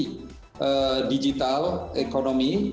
transisi digital ekonomi